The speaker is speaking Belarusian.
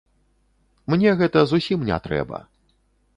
Мне гэта зусім не трэба!